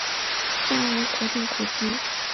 现为国定古迹。